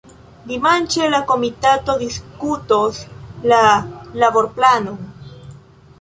Dimanĉe la komitato diskutos la laborplanon.